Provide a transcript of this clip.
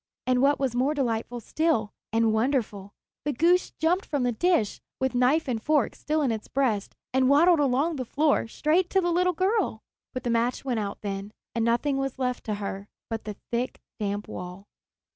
And what was more delightful still, and wonderful, the goose jumped from the dish, with knife and fork still in its breast, and waddled along the floor straight to the little girl. But the match went out then, and nothing was left to her but the thick, damp wall.